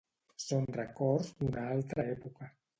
Són records d'una altra època.